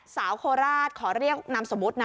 สาวโคราชขอเรียกนำสมมตินะ